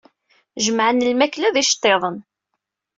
Jemɛen lmakla d iceṭṭiḍen.